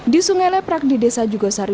di sungai leprak di desa jugasari